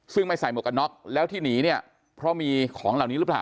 ซึ่งไม่ใส่หมวกกันน็อกแล้วที่หนีเนี่ยเพราะมีของเหล่านี้หรือเปล่า